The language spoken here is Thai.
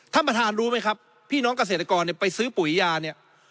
ท่านประธานรู้ไหมครับพี่น้องเกษตรกรเนี่ยไปซื้อปุ๋ยยาเนี่ย